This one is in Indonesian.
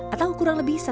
atau kurang lebih